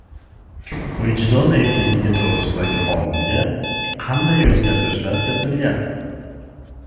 Vijdon erkinligi to‘g‘risidagi qonunga qanday o‘zgartirishlar kiritilgan?